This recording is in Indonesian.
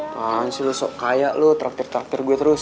tahan sih lo sok kaya lo traktir traktir gue terus